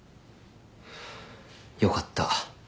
よかった。